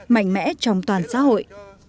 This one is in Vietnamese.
mạnh mẽ trong toàn xã hội